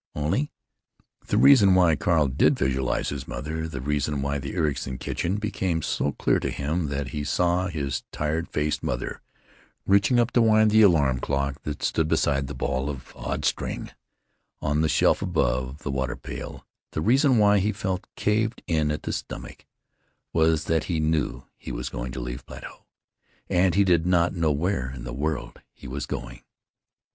Only—— The reason why Carl did visualize his mother, the reason why the Ericson kitchen became so clear to him that he saw his tired faced mother reaching up to wind the alarm clock that stood beside the ball of odd string on the shelf above the water pail, the reason why he felt caved in at the stomach, was that he knew he was going to leave Plato, and did not know where in the world he was going.